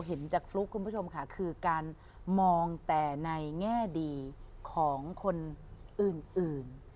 เห็นจากฟลุ๊กคุณผู้ชมค่ะคือการมองแต่ในแง่ดีของคนอื่น